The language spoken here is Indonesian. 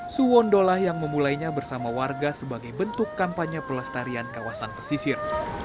suwondolah yang memulainya bersama warga sebagai bentuk kampanye pelestarian kawasan pesisir